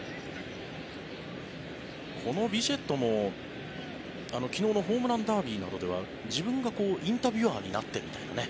このビシェットも昨日のホームランダービーなどでは自分がインタビュアーになってみたいな。